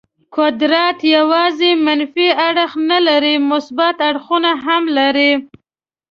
قدرت یوازې منفي اړخ نه لري، مثبت اړخونه هم لري.